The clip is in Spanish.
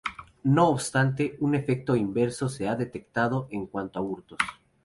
No obstante, un efecto inverso se ha detectado en cuanto a hurtos.